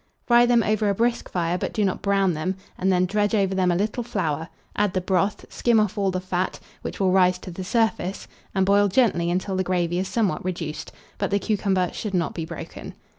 Fry them over a brisk fire, but do not brown them, and then dredge over them a little flour; add the broth, skim off all the fat, which will rise to the surface, and boil gently until the gravy is somewhat reduced; but the cucumber should not be broken.